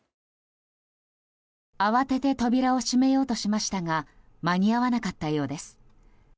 慌てて扉を閉めようとしましたが間に合わなかったようです。